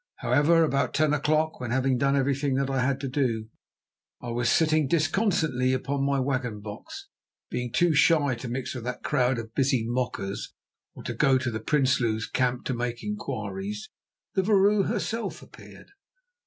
However, about ten o'clock when, having done everything that I had to do, I was sitting disconsolately upon my wagon box, being too shy to mix with that crowd of busy mockers or to go to the Prinsloos' camp to make inquiries, the vrouw herself appeared.